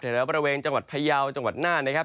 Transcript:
แถวบริเวณจังหวัดพยาวจังหวัดน่านนะครับ